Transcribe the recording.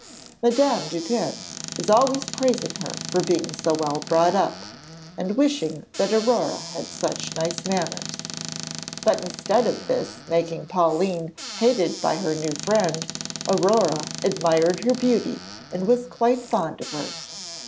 Madame Dupin was always praising her for being so well brought up, and wishing that Aurore had such nice manners; but instead of this making Pauline hated by her new friend, Aurore admired her beauty and was quite fond of her.